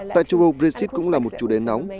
tại châu âu brexit cũng là một chủ đề nóng